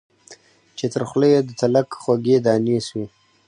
چي تر خوله یې د تلک خوږې دانې سوې